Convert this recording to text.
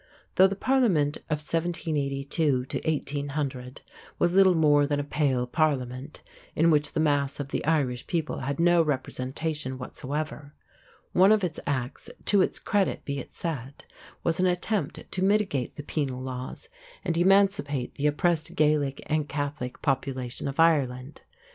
Though the Parliament of 1782 1800 was little more than a Pale Parliament, in which the mass of the Irish people had no representation whatever, one of its Acts, to its credit be it said, was an attempt to mitigate the Penal Laws and emancipate the oppressed Gaelic and Catholic population of Ireland.